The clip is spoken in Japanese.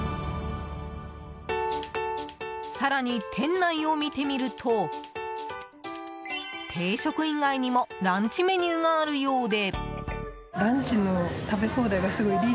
更に店内を見てみると定食以外にもランチメニューがあるようで。